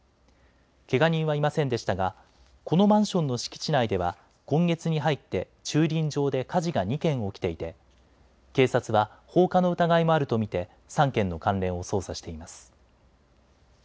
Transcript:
けが人はいませんでしたがこのマンションの敷地内では今月に入って駐輪場で火事が２件起きていて警察は放火の疑いもあると見て３件の関連を捜査しています。